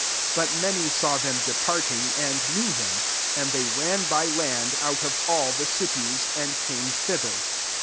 33 But many saw them departing, and knew kim ; and they ran by land out of all the cities, and came thi ther.